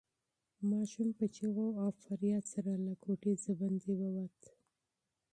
ماشوم په چیغو او فریاد سره له کوټې بهر ووت.